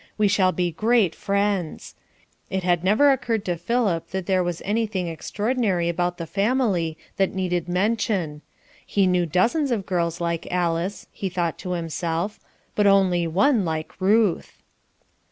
We shall be great friends. It had never occurred to Philip that there was any thing extraordinary about the family that needed mention. He knew dozens of girls like Alice, he thought to himself, but only one like Ruth.